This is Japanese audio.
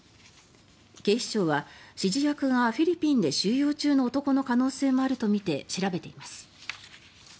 警視庁は、指示役がフィリピンで収容中の男の可能性もあるとみて調べています。